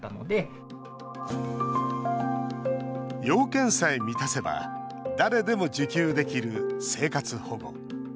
要件さえ満たせば誰でも受給できる生活保護。